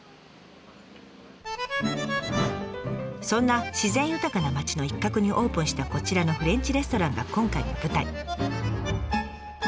そんな自然豊かな町の一角にオープンしたこちらのフレンチレストランが今回の舞台。